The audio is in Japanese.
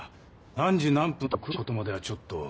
何時何分と詳しいことまではちょっと。